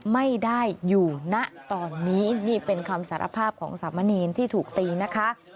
ไม่ได้อยู่ณตอนนี้นี่เป็นคำสารภาพของสามเณรที่ถูกตีนะคะ